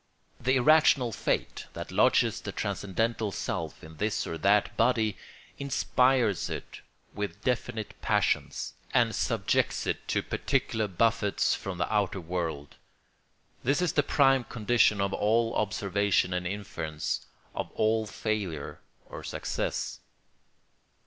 The irrational fate that lodges the transcendental self in this or that body, inspires it with definite passions, and subjects it to particular buffets from the outer world—this is the prime condition of all observation and inference, of all failure or success.